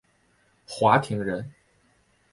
华亭人。